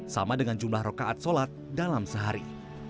sama dengan jumlah rokaat sholat dalam sehari